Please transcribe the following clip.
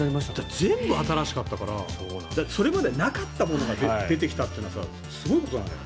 全部新しかったからそれまでなかったものが出てきたっていうのがすごいことだね。